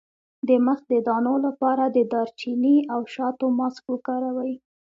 د مخ د دانو لپاره د دارچینی او شاتو ماسک وکاروئ